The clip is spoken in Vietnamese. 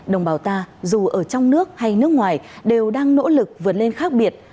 đồng bào ta dù ở trong nước hay nước ngoài đều đang nỗ lực vượt lên khác biệt